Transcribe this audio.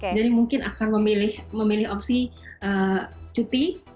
jadi mungkin akan memilih opsi cuti